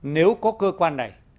nếu có cơ quan này